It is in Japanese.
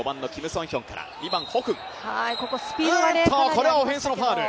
これはオフェンスのファウル。